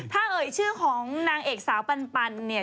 ถ้าเอ่ยชื่อของนางเอกสาวปันเนี่ย